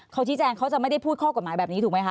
เขาชี้แจงเขาจะไม่ได้พูดข้อกฎหมายแบบนี้ถูกไหมค